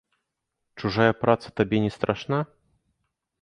Чужая праца табе не страшна?